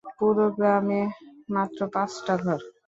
পুরো গ্রামে মাত্র পাঁচটা ঘর।